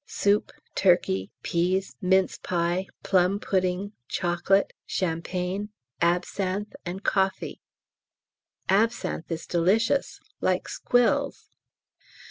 Soup, turkey, peas, mince pie, plum pudding, chocolate, champagne, absinthe, and coffee. Absinthe is delicious, like squills.